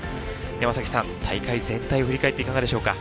山さん大会全体を振り返っていかがでしょうか？